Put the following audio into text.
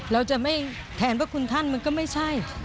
เราจะไม่แทนพระคุณท่านมันก็ไม่ใช่